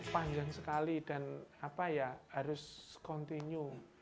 panjang sekali dan apa ya harus continue